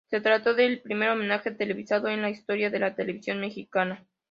Se trató del primer homenaje televisado en la historia de la televisión mexicana.